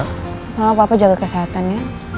tidak apa apa jaga kesehatan ya